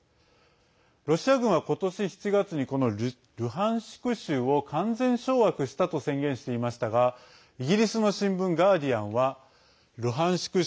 ロシア軍は今年７月にこのルハンシク州を完全掌握したと宣言していましたがイギリスの新聞ガーディアンはルハンシク